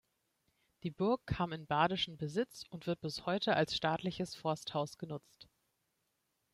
Die Burg kam in badischen Besitz und wird bis heute als staatliches Forsthaus genutzt.